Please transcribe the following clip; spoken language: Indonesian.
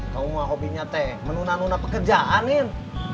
kamu mah hobinya ten menuna nuna pekerjaan nin